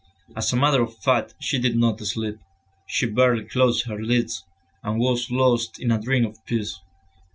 As a matter of fact she did not sleep, she barely closed her lids, and was lost in a dream of peace.